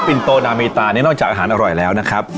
อินโตนาเมตาเนี่ยนอกจากอาหารอร่อยแล้วนะครับ